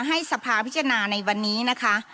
ให้สภาพิจารณาในวันนี้นะคะ